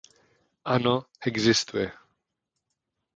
Ano, existuje.